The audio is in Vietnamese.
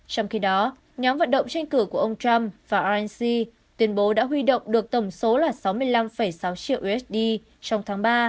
trong khi đó nhóm vận động tranh cử của ông trump và rinsi tuyên bố đã huy động được tổng số là sáu mươi năm sáu triệu usd trong tháng ba